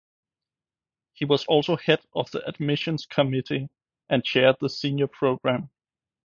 He was also head of the admissions committee and chaired the senior program.